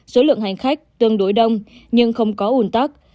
số lượng hành khách tương đối đông nhưng không có ủn tắc